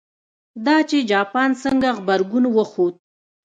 دا چې جاپان څنګه غبرګون وښود.